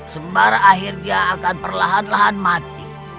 sembar akhirnya akan perlahan lahan mati